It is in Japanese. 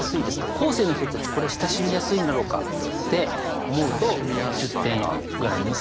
後世の人たちこれ親しみやすいんだろうかって思うと１０点ぐらいにさせていただきました。